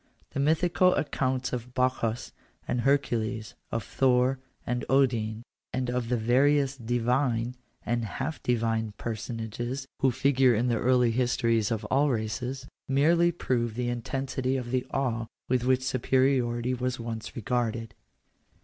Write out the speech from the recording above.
The mythical accounts of Bacchus and Her cules, of Thor and Odin, and of the various divine and half divine personages who figure in the early histories of all races, Digitized by VjOOQIC 198 POLITICAL RIGHTS. merely prove the intensity of the awe with which superiority was once regarded.